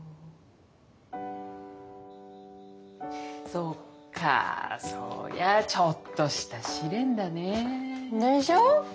そっかそりゃちょっとした試練だねえ。でしょ？